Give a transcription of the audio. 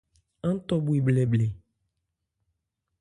Án tɔ bhwe bhlɛbhlɛ.